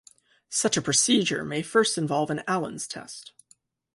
Such a procedure may first involve an Allen's test.